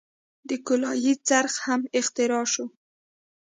د کولالۍ څرخ هم اختراع شو.